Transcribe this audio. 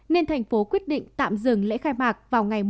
nên thành phố quyết định tạm dừng lễ khai mạc vào ngày năm bốn